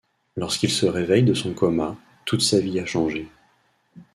Lorsqu'il se réveille de son coma, toute sa vie a changé.